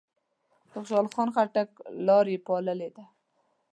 د خوشحال خان خټک لار یې پاللې ده.